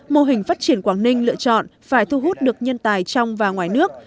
mô hình phát triển quảng ninh lựa chọn phải thu hút được nhân tài trong và ngoài nước